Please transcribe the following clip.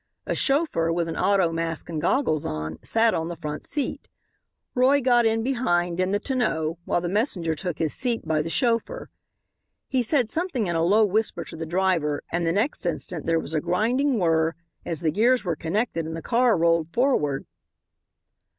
A chauffeur, with an auto mask and goggles on, sat on the front seat. Roy got in behind in the tonneau while the messenger took his seat by the chauffeur. He said something in a low whisper to the driver and the next instant there was a grinding whirr as the gears were connected and the car rolled forward.